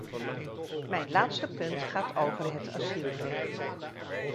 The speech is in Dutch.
Mijn laatste punt gaat over het asielrecht.